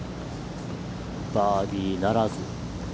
バーディーならず。